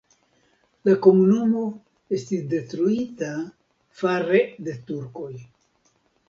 La komunumo estis detruita fare de turkoj.